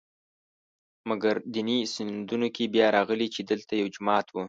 مګر دیني سندونو کې بیا راغلي چې دلته یو جومات و.